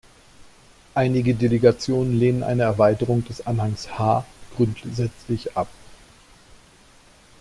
Einige Delegationen lehnen eine Erweiterung des Anhangs H grundsätzlich ab.